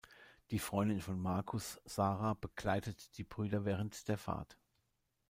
Die Freundin von Marcus, Sarah, begleitet die Brüder während der Fahrt.